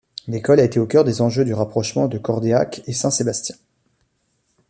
L'école a été au cœur des enjeux du rapprochement de Cordéac et Saint-Sébastien.